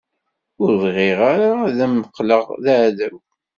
Ur bɣiɣ ara ad m-qqleɣ d aɛdaw.